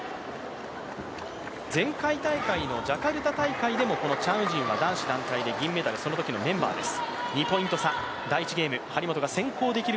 前回大会のジャカルタ大会でもこのチャン・ウジンは男子団体で銀メダル、そのときのメンバーです。